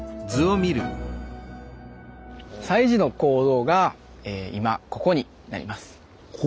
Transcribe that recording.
西寺の講堂が今ここになります。